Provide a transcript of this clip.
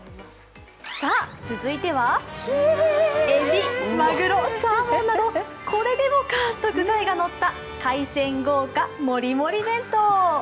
続いては海老まぐろサーモンなどこれでもかと具材が乗った海鮮豪華もりもり弁当。